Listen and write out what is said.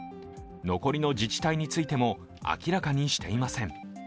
残りの自治体についても明らかにしていません。